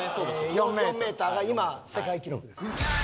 ４メーターが今世界記録です。